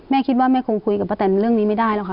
แม่คิดว่าแม่คงคุยกับป้าแตนเรื่องนี้ไม่ได้แล้วค่ะ